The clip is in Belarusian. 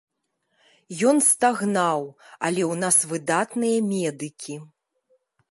Ён стагнаў, але ў нас выдатныя медыкі.